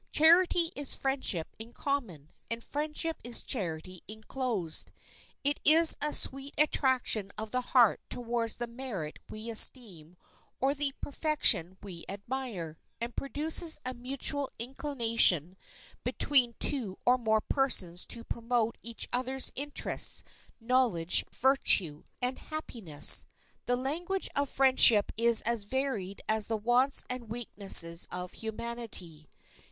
Charity is friendship in common, and friendship is charity inclosed. It is a sweet attraction of the heart towards the merit we esteem or the perfection we admire, and produces a mutual inclination between two or more persons to promote each others' interests, knowledge, virtue, and happiness. The language of friendship is as varied as the wants and weaknesses of humanity.